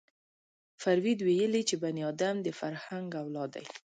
فروید ویلي چې بني ادم د فرهنګ اولاد دی